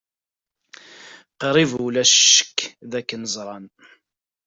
Qrib ulac ccekk dakken ẓran.